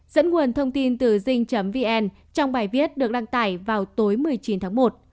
dẫn nguồn thông tin từ dinh vn trong bài viết được đăng tải vào tối một mươi chín tháng một